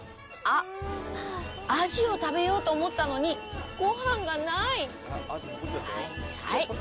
あっアジを食べようと思ったのにご飯がない！